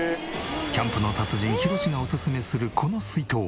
キャンプの達人ヒロシがおすすめするこの水筒